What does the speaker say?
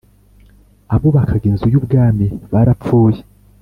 Abubakaga Inzu y Ubwami barapfuye